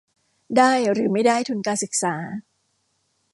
ได้หรือไม่ได้ทุนการศึกษา